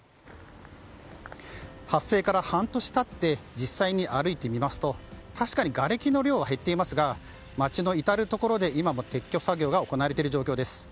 発生から半年経って実際に歩いてみますと確かにがれきの量は減っていますが町の至るところで今も撤去作業が行われている状況です。